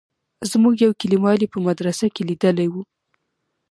زموږ يو کليوال يې په مدرسه کښې ليدلى و.